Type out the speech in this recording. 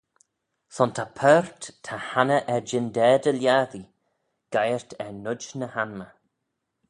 Son ta paart ta hannah er jyndaa dy lhiattee geiyrt er noid ny hanmey.